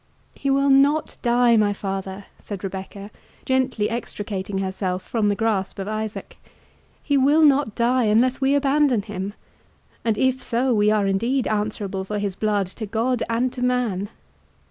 "He will not die, my father," said Rebecca, gently extricating herself from the grasp of Isaac "he will not die unless we abandon him; and if so, we are indeed answerable for his blood to God and to man."